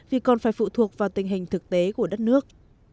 vì còn phải phụ thuộc vào tình hình thực tế của đất nước